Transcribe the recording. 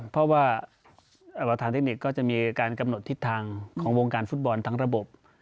เพราะว่าประธานเทคนิคก็จะมีการกำหนดทิศทางของวงการฟุตบอลทั้งระบบ